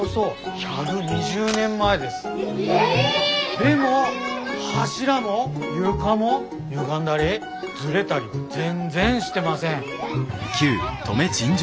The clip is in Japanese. でも柱も床もゆがんだりズレだり全然してません。